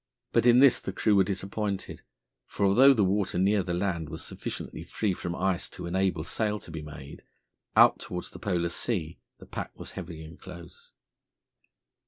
But in this the crew were disappointed, for although the water near the land was sufficiently free from ice to enable sail to be made, out toward the Polar Sea the pack was heavy and close.